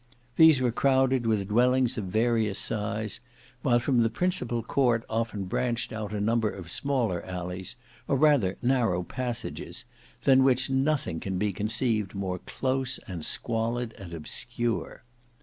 These were crowded with dwellings of various size, while from the principal court often branched out a number of smaller alleys or rather narrow passages, than which nothing can be conceived more close and squalid and obscure.